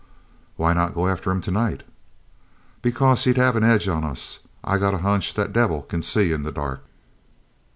"Why not go after him tonight?" "Because he'd have an edge on us. I got a hunch that devil c'n see in the dark."